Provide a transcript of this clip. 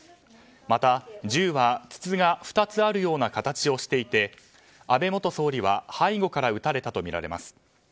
また、銃は筒が２つあるような形をしていて安倍元総理は背後から撃たれたとみられます。